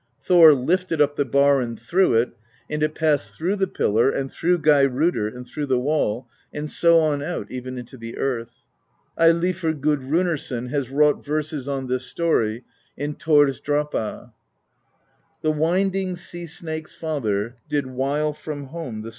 Thor lifted up the bar and threw it, and it passed through the pillar and through Geirrodr and through the wall, and so on out, even into the earth. Eilifr Gudrunarson has wrought verses on this story, in Thorsdrapa : [The winding sea snake's father Did wile from home the slayer ' So Cod. Reg. and Cod.